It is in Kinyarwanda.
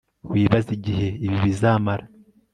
wibaze igihe ibi bizamara